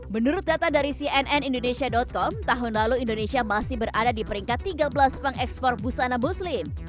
menurut data dari cnn indonesia com tahun lalu indonesia masih berada di peringkat tiga belas pengekspor busana muslim